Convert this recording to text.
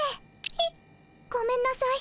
えっ？ごめんなさい。